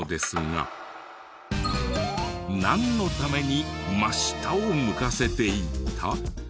なんのために真下を向かせていた？